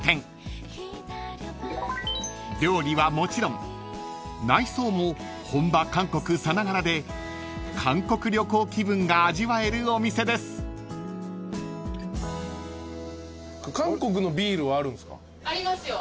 ［料理はもちろん内装も本場韓国さながらで韓国旅行気分が味わえるお店です］ありますよ。